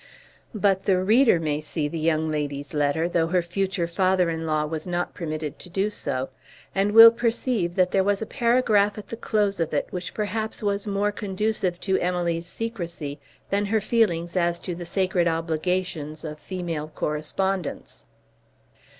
But the reader may see the young lady's letter, though her future father in law was not permitted to do so, and will perceive that there was a paragraph at the close of it which perhaps was more conducive to Emily's secrecy than her feelings as to the sacred obligations of female correspondence.